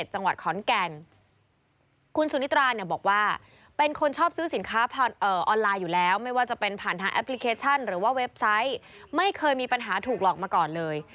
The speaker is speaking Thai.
หรือว่าเว็บไซต์ไม่เคยมีปัญหาถูกหรอกมาก่อนเลย